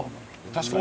確かに。